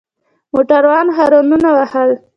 موټروان هارنونه وهل.